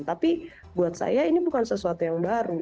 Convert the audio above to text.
tapi buat saya ini bukan sesuatu yang baru